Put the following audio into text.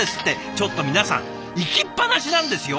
ちょっと皆さん行きっぱなしなんですよ